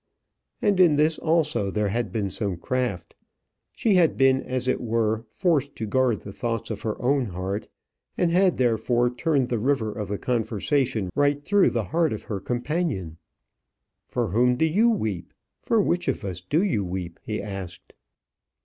And in this also there had been some craft. She had been as it were forced to guard the thoughts of her own heart; and had, therefore, turned the river of the conversation right through the heart of her companion. "For whom do you weep? for which of us do you weep?" he asked.